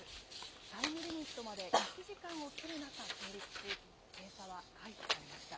タイムリミットまで１時間を切る中成立し、閉鎖は回避されました。